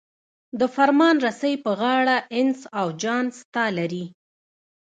د فرمان رسۍ په غاړه انس او جان ستا لري.